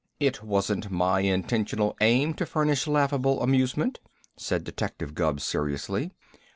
"It wasn't my intentional aim to furnish laughable amusement," said Detective Gubb seriously.